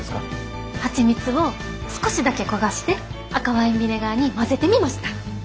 ハチミツを少しだけ焦がして赤ワインビネガーに混ぜてみました。